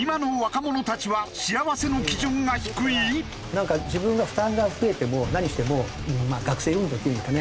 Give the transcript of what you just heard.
なんか自分が負担が増えても何しても学生運動っていうんですかね？